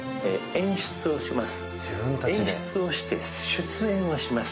演出をして出演をします。